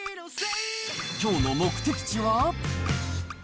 きょうの目的地は？